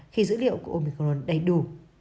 khi dữ liệu của omicron đầy đủ